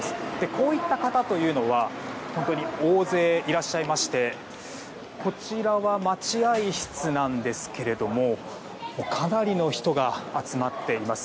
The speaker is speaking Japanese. こういった方というのは本当に大勢いらっしゃいましてこちらは待合室なんですけれどもかなりの人が集まっています。